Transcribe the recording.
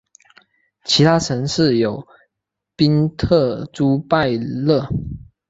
其他城市有宾特朱拜勒。